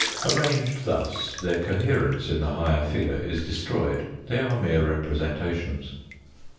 Arranged thus their coherence in the higher figure is destroyed, they are mere representations.